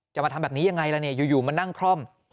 มาทำแบบนี้ยังไงล่ะเนี่ยอยู่มานั่งคล่อม